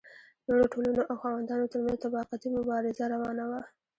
نورو ټولنو او خاوندانو ترمنځ طبقاتي مبارزه روانه وه.